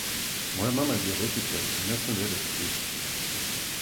Моја мама је дијабетичар и не сме да једе слаткише.